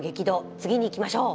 次にいきましょう。